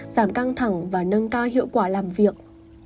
giảm căng thẳng và nâng cao hiệu quả làm việc